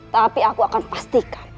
tapi aku akan pastikan